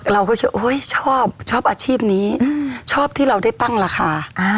เราก็ชอบชอบอาชีพนี้ชอบที่เราได้ตั้งราคา